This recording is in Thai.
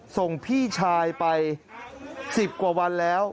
ส่งพี่ชายไป๑๐กว่าวันแล้ว